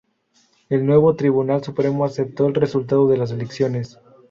El nuevo Tribunal Supremo aceptó el resultado de las elecciones.